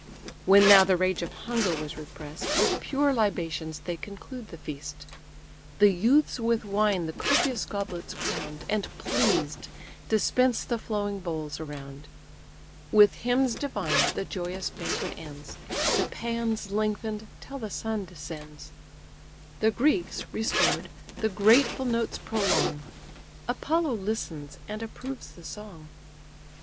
When now the rage of hunger was repress'd, With pure libations they conclude the feast; The youths with wine the copious goblets crown'd, And, pleased, dispense the flowing bowls around With hymns divine the joyous banquet ends, The pæans lengthen'd till the sun descends: The Greeks, restored, the grateful notes prolong; Apollo listens, and approves the song.